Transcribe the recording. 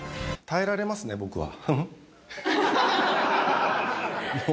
耐えられますね、僕は。